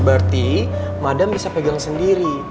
berarti madam bisa pegang sendiri